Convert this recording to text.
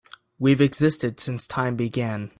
We've existed since time began.